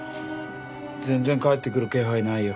全然帰ってくる気配ないよ。